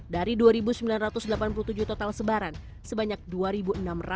dari dua sembilan ratus delapan puluh tujuh total sebaran sebanyak dua enam ratus total sebaran yang ditemukan